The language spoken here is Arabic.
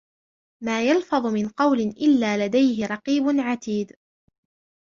ما يلفظ من قول إلا لديه رقيب عتيد